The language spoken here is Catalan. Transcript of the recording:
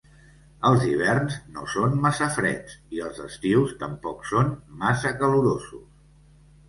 Els hiverns no són massa freds i els estius tampoc són massa calorosos.